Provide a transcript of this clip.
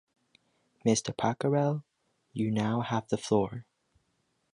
Mr. Pacarel… you now have the floor…